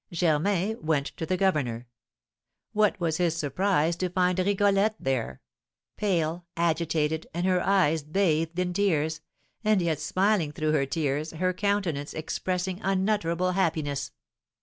Germain went to the governor. What was his surprise to find Rigolette there! pale, agitated, and her eyes bathed in tears; and yet smiling through her tears, her countenance expressing unutterable happiness.